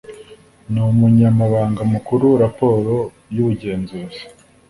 n umunyamabanga mukuru raporo y ubugenzuzi